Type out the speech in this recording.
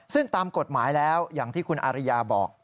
ซึ่งตามกฎหมายแล้วอย่างที่คุณอาริยาบอก